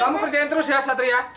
kamu kerjain terus ya satria